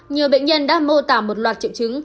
nhiều bệnh nhân đã mô tả một loạt triệu chứng